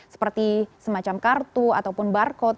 seperti semacam kartu ataupun barcode